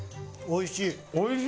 おいしい！